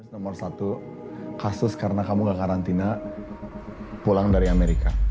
nomor satu kasus karena kamu gak karantina pulang dari amerika